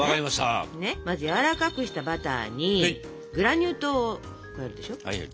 まずやわらかくしたバターにグラニュー糖を加えるでしょ。